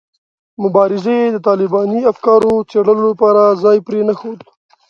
مبارزې د طالباني افکارو څېړلو لپاره ځای پرې نه ښود.